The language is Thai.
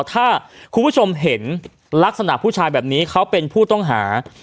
ถ้าคุณผู้ชมเห็นลักษณะผู้ชายแบบนี้เขาเป็นผู้ต้องหา